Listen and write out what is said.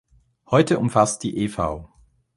Heute umfasst die "Ev.